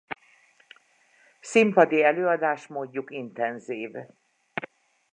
Színpadi előadásmódjuk intenzív.